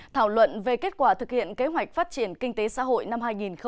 thảo luận về kết quả thực hiện kế hoạch phát triển kinh tế xã hội năm hai nghìn một mươi chín